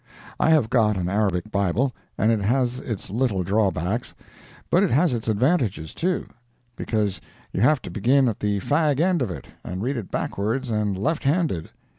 I have got an Arabic Bible, and it has its little drawbacks—but it has its advantages, too, because you have to begin at the fag end of it, and read it backwards and left handed.